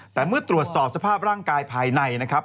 แต่เมื่อตรวจสอบสภาพร่างกายภายในนะครับ